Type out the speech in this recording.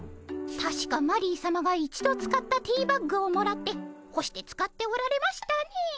たしかマリーさまが一度使ったティーバッグをもらってほして使っておられましたね。